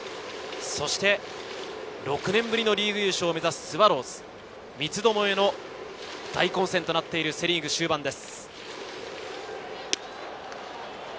そして６年ぶりのリーグ優勝を目指すスワローズ、三つどもえの大混戦となっているセ・リーグ終盤です。